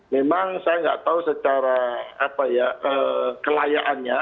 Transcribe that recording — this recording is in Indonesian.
memang saya nggak tahu secara kelayaannya